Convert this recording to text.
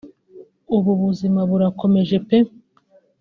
ubu ubuzima burakomeje pe